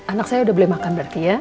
anak saya udah boleh makan berarti ya